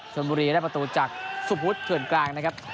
ชนบุรีได้ประตูจากสุพุทธเถื่อนกลางนะครับ